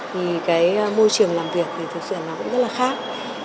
thì cái môi trường làm việc thì thực sự nó cũng rất là khác